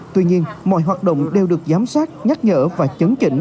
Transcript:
tuy nhiên mọi hoạt động đều được giám sát nhắc nhở và chấn chỉnh